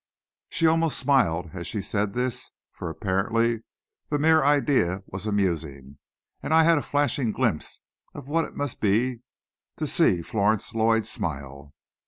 She almost smiled as she said this, for apparently the mere idea was amusing, and I had a flashing glimpse of what it must be to see Florence Lloyd smile!